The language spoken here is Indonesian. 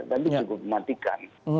tapi cukup matikan